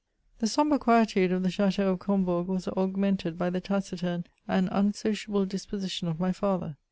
The sombre quietude of the Chateau of Combourg was augmented by the taciturn and unsociable disposition of my father.